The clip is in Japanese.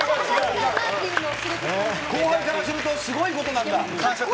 後輩からするとすごいことなんだ？